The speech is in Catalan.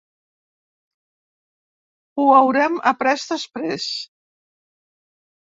Ho haurem après després.